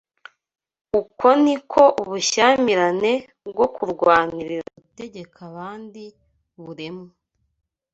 Uko ni ko ubushyamirane bwo kurwanira gutegeka abandi buremwa